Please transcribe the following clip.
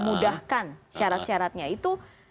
mudahkan syarat syaratnya itu